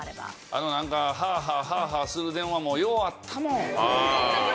あのなんかハアハアハアハアする電話もようあったもん。